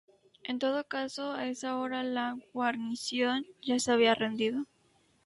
En todo caso, a esa hora la guarnición ya se había rendido.